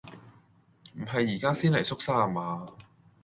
唔係而家先嚟縮沙呀嘛？